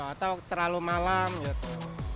atau terlalu malam gitu